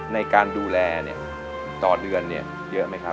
ในการดูแลเนี่ยต่อเดือนเนี่ยเยอะไหมครับ